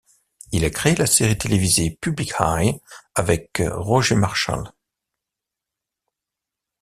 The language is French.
Il a créé la série télévisée Public Eye avec Roger Marshall.